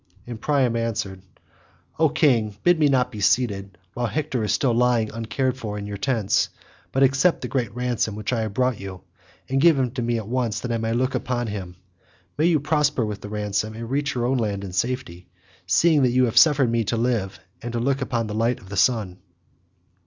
And Priam answered, "O king, bid me not be seated, while Hector is still lying uncared for in your tents, but accept the great ransom which I have brought you, and give him to me at once that I may look upon him. May you prosper with the ransom and reach your own land in safety, seeing that you have suffered me to live and to look upon the light of the sun."